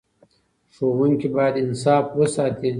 ښوونکي باید انصاف وساتي.